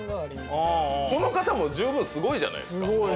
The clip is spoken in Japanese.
この方も十分すごいじゃないですか。